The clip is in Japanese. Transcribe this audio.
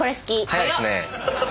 早いですね！